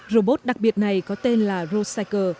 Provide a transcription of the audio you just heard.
robot đặc biệt này có tên là rosecycle